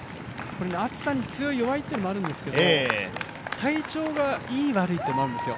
暑さに強い、弱いというのもあるんですけど、体調がいい悪いっていうのがあるんですよ。